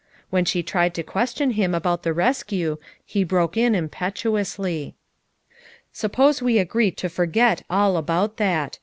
When she tried to question him about the rescue he broke in impetuously. "Suppose we agree to forget all about that.